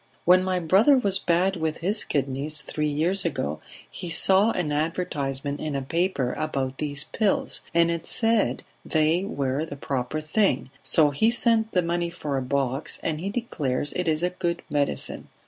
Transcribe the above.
When my brother was bad with his kidneys three years ago he saw an advertisement in a paper about these pills, and it said they were the proper thing, so he sent the money for a box, and he declares it is a good medicine.